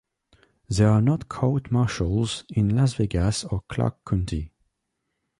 They are not court marshals in Las Vegas or Clark County.